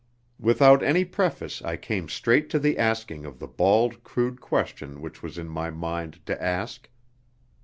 Without any preface I came straight to the asking of the bald, crude question which was in my mind to ask.